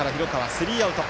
スリーアウト。